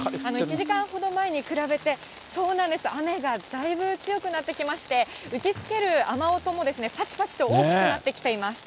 １時間ほど前に比べて、雨がだいぶ強くなってきまして、打ちつける雨音も、ぱちぱちと大きくなってきています。